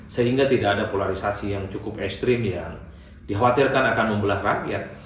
sehingga tidak ada polarisasi yang cukup ekstrim yang dikhawatirkan akan membelah rakyat